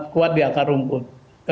yang sangat kuat di akar rumput